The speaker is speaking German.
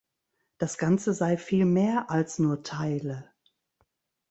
Das Ganze sei viel mehr als nur Teile.